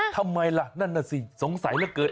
ทำไมล่ะนั่นน่ะสิสงสัยเหลือเกิน